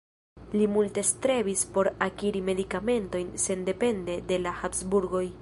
Li multe strebis por akiri medikamentojn sendepende de la Habsburgoj.